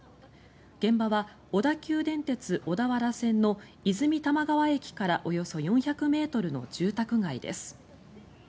現場は小田急電鉄小田原線の和泉多摩川駅からおよそ４００ｍの住宅街です。